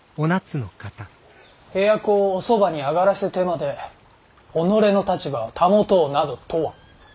部屋子をおそばに上がらせてまで己の立場を保とうなどとは。